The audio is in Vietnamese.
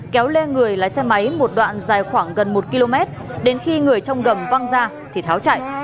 kéo lê người lái xe máy một đoạn dài khoảng gần một km đến khi người trong gầm văng ra thì tháo chạy